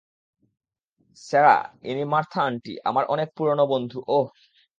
Sarah, ইনি Martha aunty, আমার অনেক পুরানো বন্ধু - ওহ!